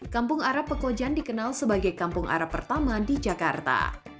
kampung arab pekojan dikenal sebagai kampung arab pertama di jakarta